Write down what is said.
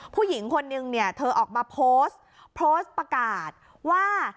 ผู้หญิงคนนึงเนี่ยเธอออกมาโพสต์โพสต์ประกาศว่า